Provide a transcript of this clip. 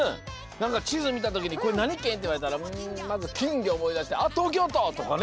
なんかちずみたときに「これなにけん？」っていわれたらまずきんぎょおもいだして「あっとうきょうと！」とかね。